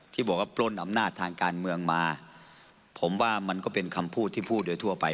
ที่บอกว่าปล้นอำนาจทางการเมืองมาผมว่ามันก็เป็นคำพูดที่พูดโดยทั่วไป